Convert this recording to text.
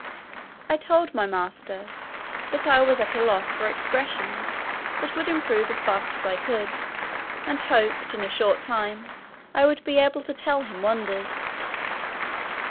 I told my master, "that I was at a loss for expression, but would improve as fast as I could; and hoped, in a short time, I should be able to tell him wonders."